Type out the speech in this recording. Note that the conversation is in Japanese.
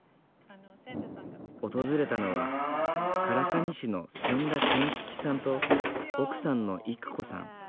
訪れたのは唐紙師の千田堅吉さんと奥さんの郁子さん。